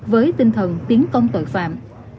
với tinh thần tiến công tội phạm